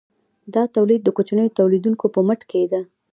دا تولید د کوچنیو تولیدونکو په مټ کیده.